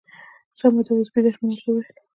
سمه ده، اوس بېده شه. ما ورته وویل.